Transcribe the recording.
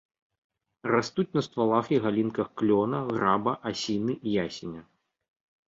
Растуць на ствалах і галінках клёна, граба, асіны, ясеня.